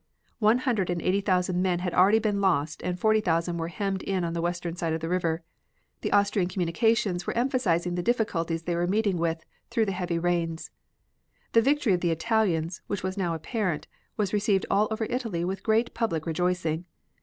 One hundred and eighty thousand men had already been lost and forty thousand were hemmed in on the western side of the river. The Austrian communications were emphasizing the difficulties they were meeting with through the heavy rains. The victory of the Italians, which was now apparent, was received all over Italy with great public rejoicing.